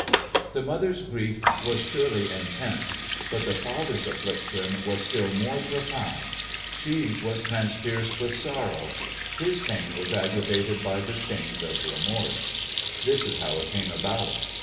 The mother's grief was surely intense, but the father's affliction was still more profound. She was transpierced with sorrow, his pain was aggravated by the stings of remorse. This is how it came about.